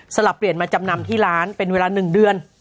ลับเปลี่ยนมาจำนำที่ร้านเป็นเวลา๑เดือน